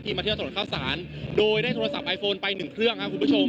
มาเที่ยวถนนข้าวสารโดยได้โทรศัพท์ไอโฟนไปหนึ่งเครื่องครับคุณผู้ชม